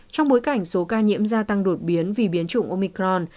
trong bối cảnh số ca nhiễm gia tăng đột biến vì biến chủng omicron